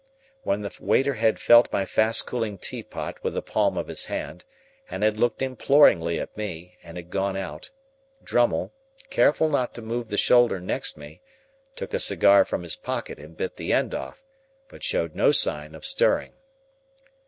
When the waiter had felt my fast cooling teapot with the palm of his hand, and had looked imploringly at me, and had gone out, Drummle, careful not to move the shoulder next me, took a cigar from his pocket and bit the end off, but showed no sign of stirring.